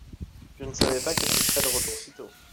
je ne savais pas que tu serais de retour si tôt.